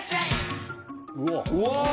うわ！